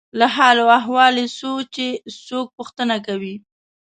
له حال او احوال یې څو چې څوک پوښتنه کوي.